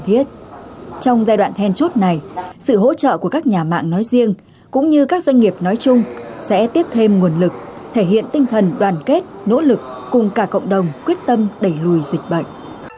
trong giai đoạn then chốt này sự hỗ trợ của các nhà mạng nói riêng cũng như các doanh nghiệp nói chung sẽ tiếp thêm nguồn lực thể hiện tinh thần đoàn kết nỗ lực cùng cả cộng đồng quyết tâm đẩy lùi dịch bệnh